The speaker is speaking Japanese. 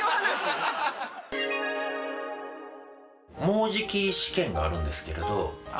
もうじき試験があるんですけれど。